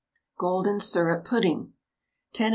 GOLDEN SYRUP PUDDING. 10 oz.